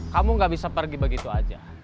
kamu gak bisa pergi begitu aja